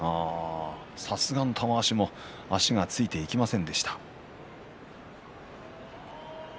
さすがの玉鷲も足がついていきませんでした。